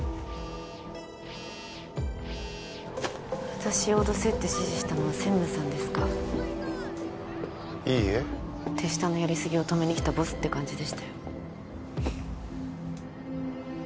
私を脅せって指示したのは専務さんですかいいえ手下のやり過ぎを止めに来たボスって感じでしたよ